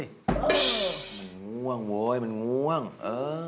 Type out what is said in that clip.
มันง่วงโว้ยมันง่วงเออ